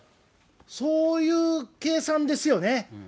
そういう計算ですよね。